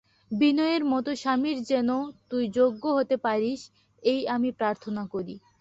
বিনয়ের মতো স্বামীর যেন তুই যোগ্য হতে পারিস এই আমি প্রার্থনা করি।